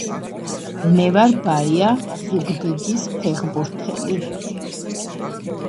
მე ვარ ბაია ზუგდიდის ფეხბურთელი